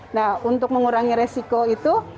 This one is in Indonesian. nah untuk mengurangi resiko itu